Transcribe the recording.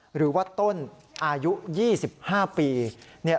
หรือว่าต้นอายุ๒๕ปี